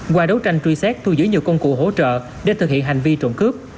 qua đấu tranh truy xét thu giữ nhiều công cụ hỗ trợ để thực hiện hành vi trộm cướp